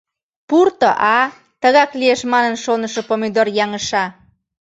— Пурто, а-а... — тыгак лиеш манын шонышо Помидор яҥыша.